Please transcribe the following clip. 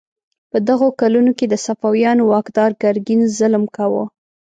په دغو کلونو کې د صفویانو واکدار ګرګین ظلم کاوه.